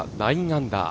７アンダー。